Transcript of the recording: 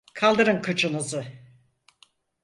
Kaldırın kıçınızı!